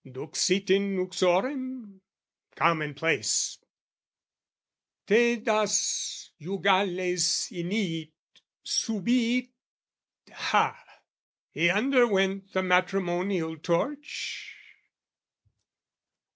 Duxit in uxorem? commonplace! TAedas jugales iniit, subiit, ha! He underwent the matrimonial torch?